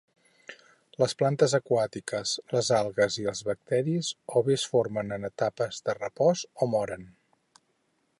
Les plantes aquàtiques, les algues i els bacteris o bé es formen en etapes de repòs o moren.